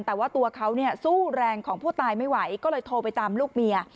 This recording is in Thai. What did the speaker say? แต่ว่าตัวเขาเนี่ยสู้แรงของผู้ตายไม่ไหวก็เลยโทรไปตามลูกเมีย